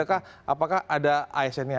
apakah ada asn nya